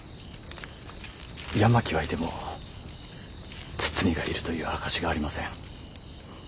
山木はいても堤がいるという証しがありません。